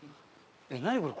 何これ。